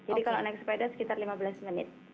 jadi kalau naik sepeda sekitar lima belas menit